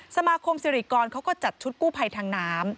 สมาคมสิริกรเขาก็จัดชุดกู้ภัยทางน้ำ